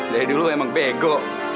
dari dulu emang bego